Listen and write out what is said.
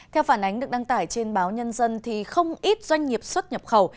theo phản ánh được đăng tải trên báo nhân dân thì không ít doanh nghiệp xuất nhập khẩu